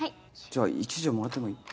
じゃあ１錠もらってもいい？